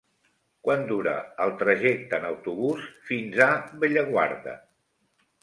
Quant dura el trajecte en autobús fins a Bellaguarda?